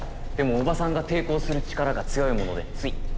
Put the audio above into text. でも叔母さんが抵抗する力が強いものでつい。